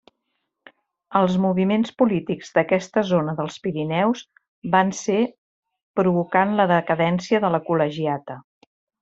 Els moviments polítics d'aquesta zona dels Pirineus van ser provocant la decadència de la Col·legiata.